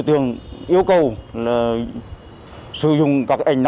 dân cầm cikte của quảng bình